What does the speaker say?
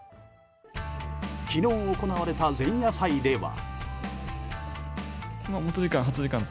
昨日行われた前夜祭では。